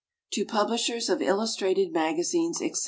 To Publishers of Illustrated Magazines, etc.